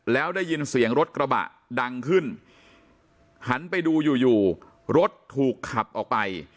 แล้วได้ยินเสียงรถกระบะดังขึ้นหันไปดูอยู่อยู่รถถูกขับออกไป